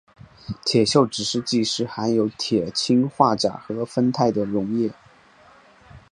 铁锈指示剂是含有铁氰化钾和酚酞的溶液。